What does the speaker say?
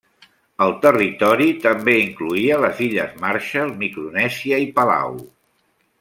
El territori també incloïa les Illes Marshall, Micronèsia i Palau.